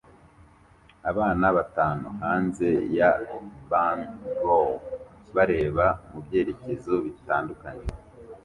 Abana batanu hanze ya bungalow bareba mubyerekezo bitandukanye